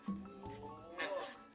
kita diperabaikan sekarang